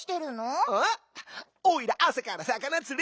「おいらあさからさかなつり」